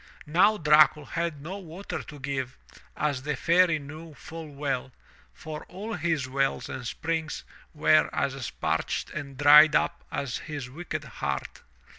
Now Dracul had no water to give, as the Fairy knew full well, for all his wells and springs were as parched and dried up as his wicked heart.